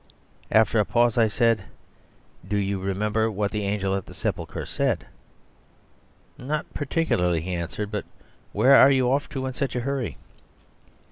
After a pause I said, "Do you remember what the angel at the sepulchre said?" "Not particularly," he answered; "but where are you off to in such a hurry?"